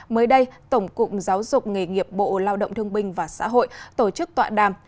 mới đây tổng cục giáo dục nghề nghiệp bộ lao động thương binh và xã hội tổ chức tọa đàm